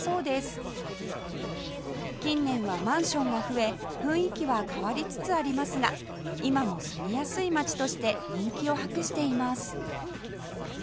近年はマンションが増え雰囲気は変わりつつありますが今も住みやすい街として人気を博しています